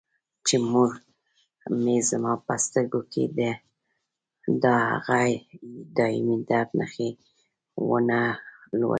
چې مور مې زما په سترګو کې د هغه دایمي درد نښې ونه لولي.